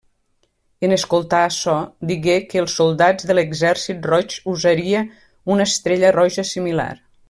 En escoltar açò digué que els soldats de l'Exèrcit Roig usaria una estrella roja similar.